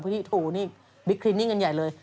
ที่ถูนี่บิ๊กคลินิ่งกันใหญ่เลย